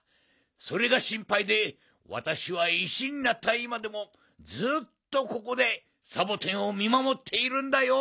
それがしんぱいでわたしは石になったいまでもずっとここでサボテンをみまもっているんだよ。